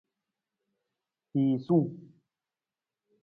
Fiisung.